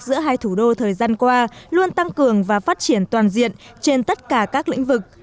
giữa hai thủ đô thời gian qua luôn tăng cường và phát triển toàn diện trên tất cả các lĩnh vực